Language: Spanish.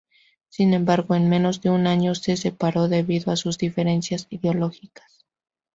Sin embargo, en menos de un año se separaron debido a sus diferencias ideológicas.